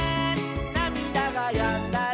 「なみだがやんだら」